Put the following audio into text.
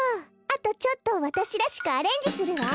あとちょっとわたしらしくアレンジするわ。